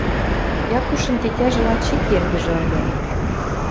Якушын тетяжӹ лач ик эргӹжӹ ыльы.